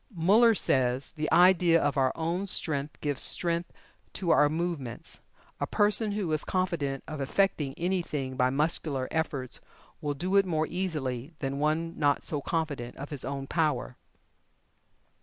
Muller says: "The idea of our own strength gives strength to our movements. A person who is confident of effecting anything by muscular efforts will do it more easily than one not so confident of his own power."